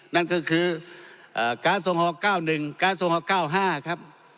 นั่นก็คือกาสโซฮอล์เก้าหนึ่งกาสโซฮอล์เก้าห้าครับ